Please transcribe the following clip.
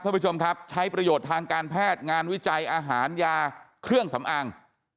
ท่านผู้ชมครับใช้ประโยชน์ทางการแพทย์งานวิจัยอาหารยาเครื่องสำอาง